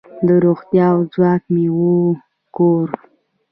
د روغتیا او ځواک میوو کور.